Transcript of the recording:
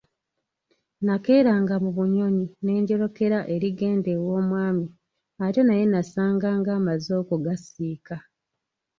Nakeeranga mu bunyonyi ne njolekera erigenda ew'omwami ate naye nasanganga amaze okugasiika.